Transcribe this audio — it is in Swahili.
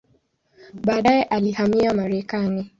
Baadaye alihamia Marekani.